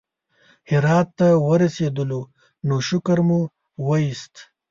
هرات ته ورسېدلو نو شکر مو وایست.